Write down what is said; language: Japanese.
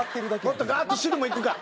もっとガーッと汁もいくか。